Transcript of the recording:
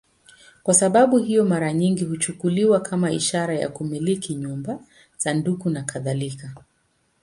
Kwa sababu hiyo, mara nyingi huchukuliwa kama ishara ya kumiliki nyumba, sanduku nakadhalika.